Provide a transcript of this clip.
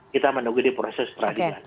kita menunggu di proses peradilan